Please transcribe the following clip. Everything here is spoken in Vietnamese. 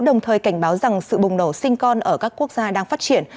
đồng thời cảnh báo rằng sự bùng nổ sinh con ở các quốc gia đang phát triển